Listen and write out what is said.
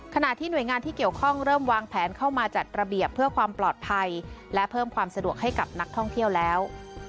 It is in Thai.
ขณะที่หน่วยงานที่เกี่ยวข้องเริ่มวางแผนเข้ามาจัดระเบียบเพื่อความปลอดภัยและเพิ่มความสะดวกให้กับนักท่องเที่ยวแล้ว